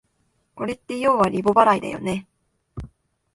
これってようはリボ払いだよね